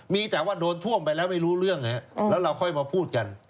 มีแต่ว่าโดนท่วมไปแล้วไม่รู้เรื่องแล้วเราค่อยมาพูดกัน